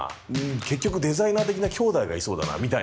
結局デザイナー的なきょうだいがいそうだなみたいな。